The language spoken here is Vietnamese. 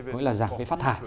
nghĩa là giảm cái phát thả